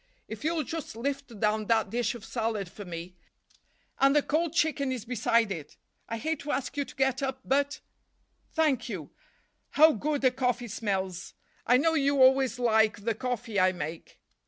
If you'll just lift down that dish of salad for me—and the cold chicken is beside it. I hate to ask you to get up, but—Thank you. How good the coffee smells! I know you always like the coffee I make."